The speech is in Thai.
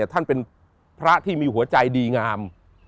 ท่านเป็นพระที่มีหัวใจดีงาม